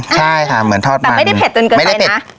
ใช่ค่ะเหมือนทอดมันแต่ไม่ได้เผ็ดจนเกินไปนะ